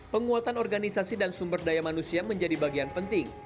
penguatan organisasi dan sumber daya manusia menjadi bagian penting